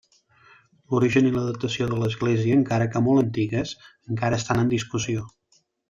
L'origen i la datació de l'església, encara que molt antigues, encara estan en discussió.